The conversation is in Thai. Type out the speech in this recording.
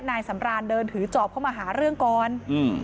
นายสำรานเดินถือจอบเข้ามาหาเรื่องก่อนอืม